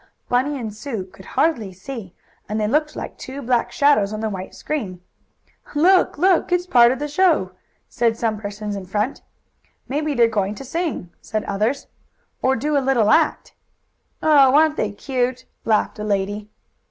Bunny and Sue could hardly see, and they looked like two black shadows on the white screen. "Look! Look! It's part of the show!" said some persons in front. "Maybe they're going to sing," said others. "Or do a little act." "Oh, aren't they cute!" laughed a lady.